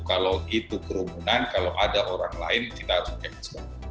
kalau itu kerumunan kalau ada orang lain kita harus cance